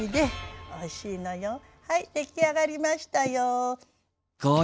はい出来上がりましたよ。